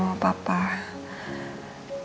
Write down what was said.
kamu harus stop nyelidikin kasusnya mbak andin